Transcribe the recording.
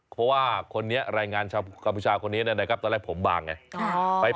เพราะว่าแรงงานชาวกัมพูชาคนนี้นะครับตอนแรกผมบางเนี่ย